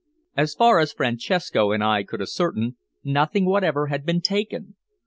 As far as Francesco and I could ascertain, nothing whatever had been taken.